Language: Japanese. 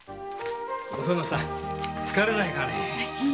おそのさん疲れないかね？